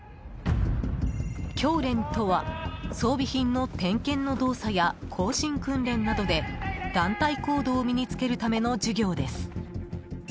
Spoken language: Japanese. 教練とは装備品の点検の動作や行進訓練などで団体行動を身に付けるための授業です。